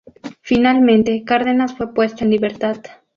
Finalmente, Cárdenas fue puesto en libertad.